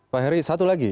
pak heri satu lagi